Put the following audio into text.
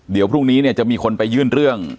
เดี๋ยวพรุ่งนี้เนี่ยจะมีคนไปยื่นเรื่อง